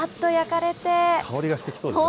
香りがしてきそうですね。